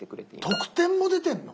得点も出てるの？